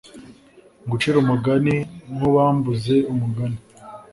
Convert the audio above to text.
Ngucire umugani nkubambuze umugani